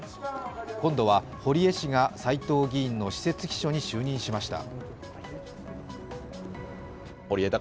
今度は堀江氏が斉藤議員の私設秘書に就任しました。